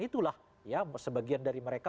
itulah ya sebagian dari mereka